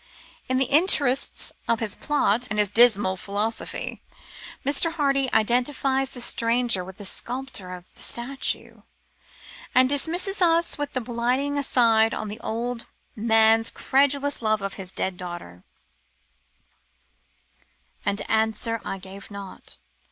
In the interests of his plot and his dismal philosophy, Mr. Hardy identifies the stranger with the sculptor of the statue, and dismisses us with his blighting aside on the old man's credulous love of his dead daughter: Answer I gave not.